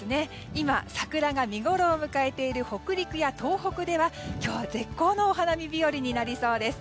今、桜が見ごろを迎えている北陸や東北では今日は絶好のお花見日和になりそうです。